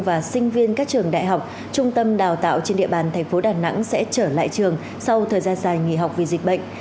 và sinh viên các trường đại học trung tâm đào tạo trên địa bàn thành phố đà nẵng sẽ trở lại trường sau thời gian dài nghỉ học vì dịch bệnh